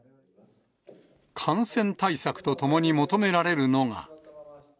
感染対策とともに求められるのが。